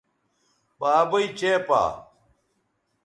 بابئ چےپا